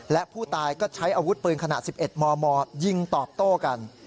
และผู้ตายก็ใช้อาวุธปืนขนาด๑๑มมยิงตอบโต้กัน